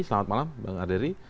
selamat malam bang aderi